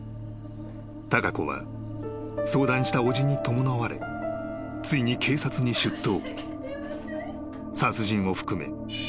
貴子は相談したおじに伴われついに警察に出頭］